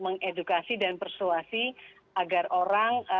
mengedukasi dan persuasi agar orang